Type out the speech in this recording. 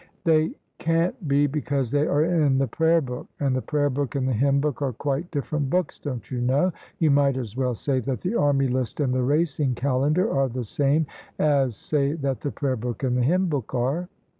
" They can't be, because they are in the Prayer book; and the Prayer book and the Hymn book are quite different books, don't you know? You might as well say that the Army List and the Racing Calendar are the same as say that the Prayer book and the Hymn book are."